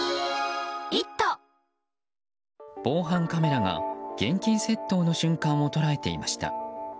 防犯カメラが現金窃盗の瞬間を捉えていました。